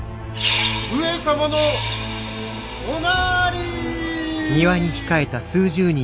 ・上様のおなーりー。